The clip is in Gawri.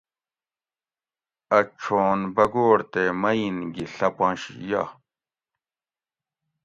ا چھون بگوڑ تے مئن گھی ڷپنش یہ